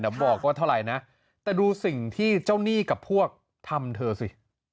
เดี๋ยวบอกว่าเท่าไหร่นะแต่ดูสิ่งที่เจ้าหนี้กับพวกทำเธอสิ